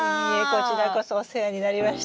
こちらこそお世話になりました。